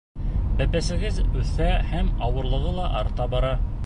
Бәпесегеҙ үҫә һәм ауырлығы ла арта бара.